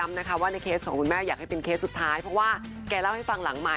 แล้วก็ไม่อยากที่โดนคนข้างหน้า